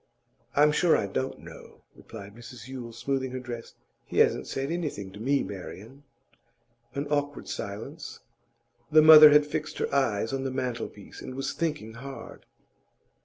'I'm sure I don't know,' replied Mrs Yule, smoothing her dress. 'He hasn't said anything to me, Marian.' An awkward silence. The mother had fixed her eyes on the mantelpiece, and was thinking hard.